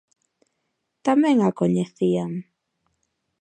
Tamén a coñecían.